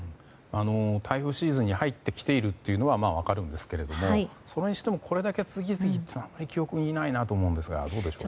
台風シーズンに入ってきているのは分かるんですけどそれにしてもこれだけ次々というのはあまり記憶にないなと思うんですがどうでしょうか。